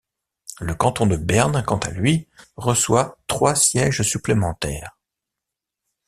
Le Canton de Berne, quant à lui, reçoit trois sièges supplémentaires.